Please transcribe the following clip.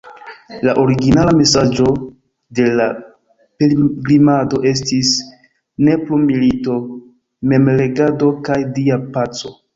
La originala mesaĝo de la pilgrimado estis "Ne plu milito", "Memregado" kaj "Dia paco".